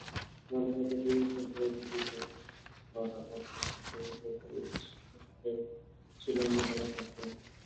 মানবতাবিরোধী অপরাধের বিচার নিশ্চিত করা বর্তমান সরকারের নির্বাচনী ইশতেহারের ছিল অন্যতম শর্ত।